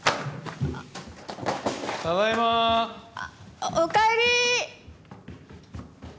・ただいま・おかえり。